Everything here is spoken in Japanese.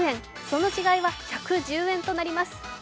その違いは１１０円となります。